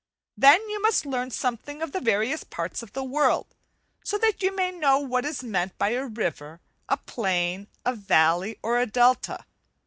Then you must learn something of the various parts of the world, so that you may know what is meant by a river, a plain, a valley, or a delta.